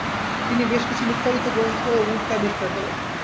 তিনি বেশ কিছু লুক্কায়িত গ্রন্থ ও মূর্তি আবিষ্কার করেন।